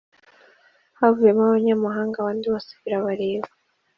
Havuyemo abanyamahanga abandi bose birabareba